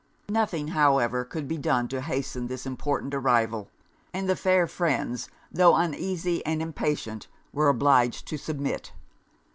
Nothing, however, could be done to hasten this important arrival; and the fair friends, tho' uneasy and impatient, were obliged to submit.